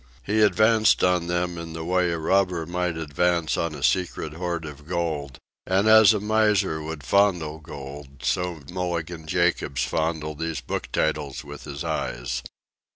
He advanced on them in the way a robber might advance on a secret hoard of gold, and as a miser would fondle gold so Mulligan Jacobs fondled these book titles with his eyes.